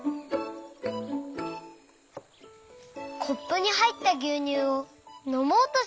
コップにはいったぎゅうにゅうをのもうとしました。